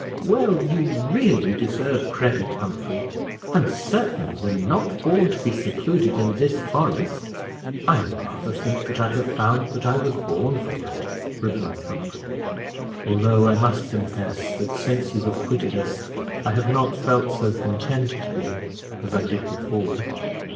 "Well, you really deserve credit, Humphrey, and certainly were not born to be secluded in this forest." "I rather think that I have found that I was born for it," replied Humphrey, "although, I must confess, that since you have quitted us, I have not felt so contented here as I did before.